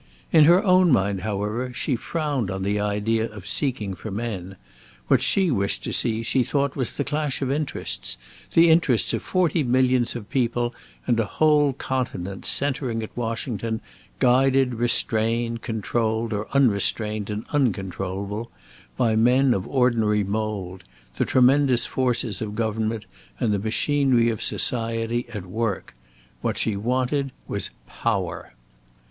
In her own mind, however, she frowned on the idea of seeking for men. What she wished to see, she thought, was the clash of interests, the interests of forty millions of people and a whole continent, centering at Washington; guided, restrained, controlled, or unrestrained and uncontrollable, by men of ordinary mould; the tremendous forces of government, and the machinery of society, at work. What she wanted, was POWER.